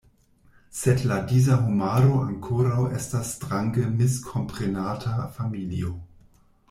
Sed la disa homaro ankoraŭ estas strange miskomprenata familio.